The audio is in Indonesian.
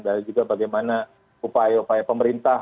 dan juga bagaimana upaya upaya pemerintah